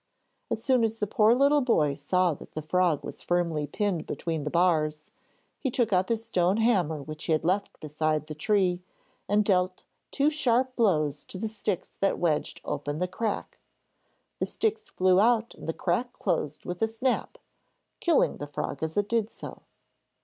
As soon as the poor little boy saw that the frog was firmly pinned between the bars, he took up his stone hammer which he had left beside the tree and dealt two sharp blows to the sticks that wedged open the crack. The sticks flew out and the crack closed with a snap, killing the frog as it did so.